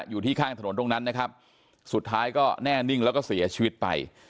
อยู่ที่ข้างถนนตรงนั้นนะครับสุดท้ายก็แน่นิ่งแล้วก็เสียชีวิตไป